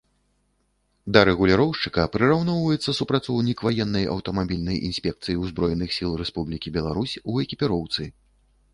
Да рэгуліроўшчыка прыраўноўваецца супрацоўнік Ваеннай аўтамабільнай інспекцыі Узброеных Сіл Рэспублікі Беларусь у экіпіроўцы